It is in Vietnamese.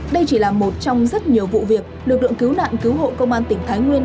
đây chỉ là một trong rất nhiều vụ việc lực lượng cứu nạn cứu hộ công an tỉnh thái nguyên